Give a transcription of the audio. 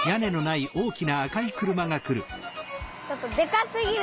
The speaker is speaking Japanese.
ちょっとでかすぎる。